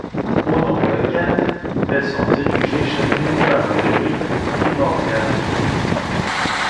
Au nombre de quatre, elles sont dirigées chacune par un druide primordial.